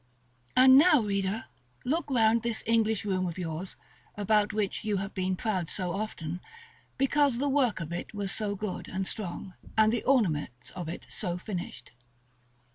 And now, reader, look round this English room of yours, about which you have been proud so often, because the work of it was so good and strong, and the ornaments of it so finished.